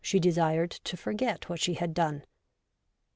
She desired to forget what she had done.